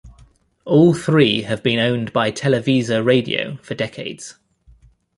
All three have been owned by Televisa Radio for decades.